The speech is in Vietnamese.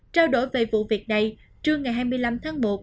trao đổi về vụ việc này trưa ngày hai mươi năm tháng một